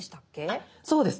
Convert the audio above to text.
あっそうです。